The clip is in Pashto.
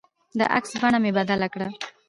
د عکس بڼه مې بدله کړه.